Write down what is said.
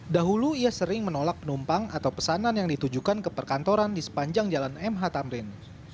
dahulu ia sering menolak penumpang atau pesanan yang ditujukan ke perkantoran di sepanjang jalan mh tamrin